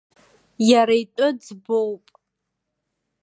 Иара итәы ӡбоуп.